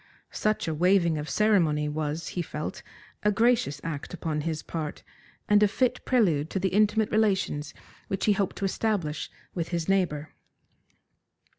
Such a waiving of ceremony was, he felt, a gracious act upon his part, and a fit prelude to the intimate relations which he hoped to establish with his neighbour.